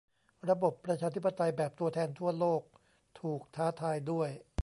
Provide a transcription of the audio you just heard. ระบบประชาธิปไตยแบบตัวแทนทั่วโลก ถูกท้าทายด้วย